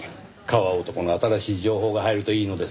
川男の新しい情報が入るといいのですがねぇ。